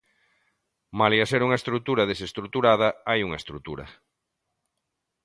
Malia ser unha estrutura desestruturada, hai unha estrutura.